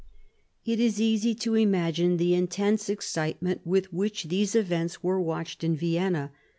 It is easy to imagine the intense excitement with which these events were watched in Vienna.